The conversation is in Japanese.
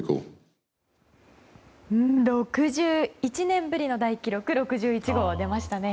６１年ぶりの大記録６１号が出ましたね。